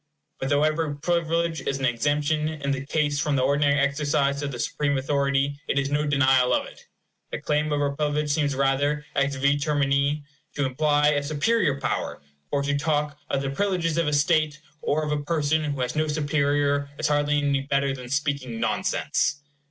But though every privilege is an exemption, in the case, from the ordinary exercise of the supreme authority, it is no denial of it. The claim of a privilege seems rather, ex vi termini, to imply a superior power; for to talk of the privileges of a state or of a person who has no superior is hardly any better than speaking nonsense.